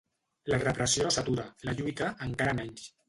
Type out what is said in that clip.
La repressió no s'atura; la lluita, encara menys.